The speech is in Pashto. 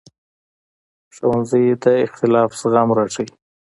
ښوونځی د اختلاف زغم راښيي